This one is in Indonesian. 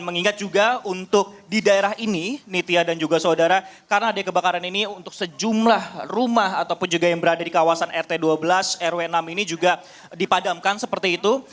mengingat juga untuk di daerah ini nitya dan juga saudara karena ada kebakaran ini untuk sejumlah rumah ataupun juga yang berada di kawasan rt dua belas rw enam ini juga dipadamkan seperti itu